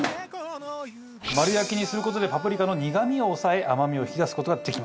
丸焼きにする事でパプリカの苦みを抑え甘みを引き出す事ができます。